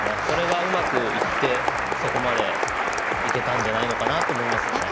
それがうまくいってそこまで行けたんじゃないかと思いますね。